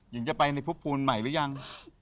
นายจะไปในภูมิภูมิใหม่หรือยัง